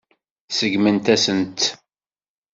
Seggment-asent-tt.